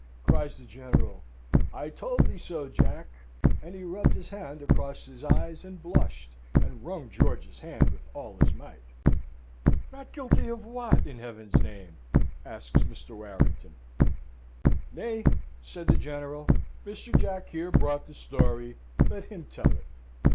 cries the General. "I told thee so, Jack." And he rubbed his hand across his eyes, and blushed, and wrung George's hand with all his might. "Not guilty of what, in heaven's name?" asks Mr. Warrington. "Nay," said the General, "Mr. Jack, here, brought the story. Let him tell it.